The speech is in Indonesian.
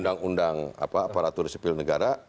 undang undang aparatur sipil negara